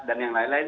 dan yang lain lain